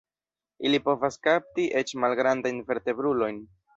Ili povas kapti eĉ malgrandajn vertebrulojn.